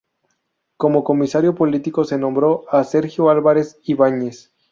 Como comisario político se nombró a Sergio Álvarez Ibáñez.